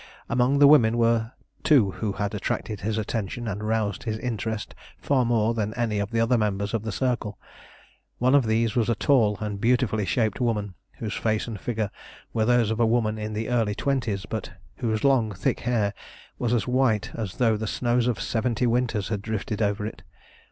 Among the women there were two who had attracted his attention and roused his interest far more than any of the other members of the Circle. One of these was a tall and beautifully shaped woman, whose face and figure were those of a woman in the early twenties, but whose long, thick hair was as white as though the snows of seventy winters had drifted over it.